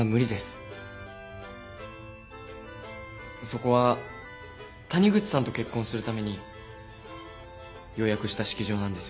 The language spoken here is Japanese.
そこは谷口さんと結婚するために予約した式場なんですよね？